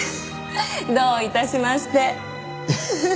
どういたしまして。